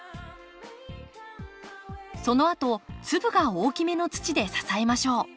そのあと粒が大きめの土で支えましょう。